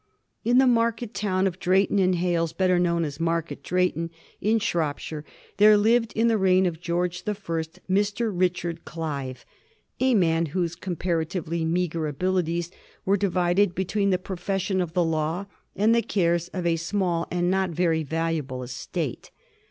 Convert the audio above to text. In the market town of Drayton in Hales, better known as Market Drayton, in Shropshire, there lived, in the reign of George the First, a Mr. Richard Clive — a man whose comparatively meagre abilities were divided between the profession of the law and the cares of a small and not very valuable estate.